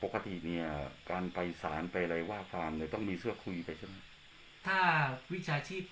ปกติเนี่ยการไปสารไปอะไรว่าปั่นเลยต้องมีเสื้อคุยกันสินะถ้าวิชาชีพ